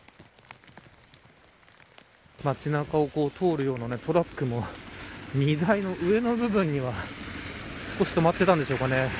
町中を通るようなトラックも荷台の上の部分には少し止まってたんでしょうかね。